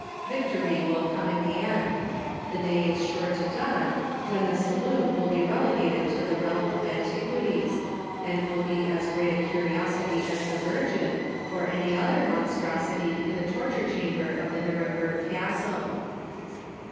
Victory will come in the end. The day is sure to dawn when the saloon will be relegated to the realm of antiquities, and will be as great a curiosity as the Virgin, or any other monstrosity in the Torture Chamber of the Nu remberg Castle.